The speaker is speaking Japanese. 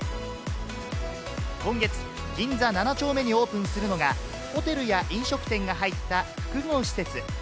今月、銀座７丁目にオープンするのが、ホテルや飲食店が入った複合施設。